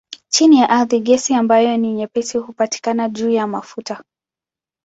Chini ya ardhi gesi ambayo ni nyepesi hupatikana juu ya mafuta.